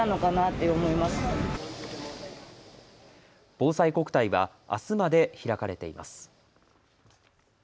ぼうさいこくたいはあすまで開かれています。